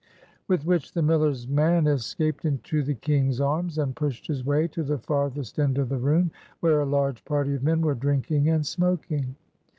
With which the miller's man escaped into the King's Arms, and pushed his way to the farthest end of the room, where a large party of men were drinking and smoking.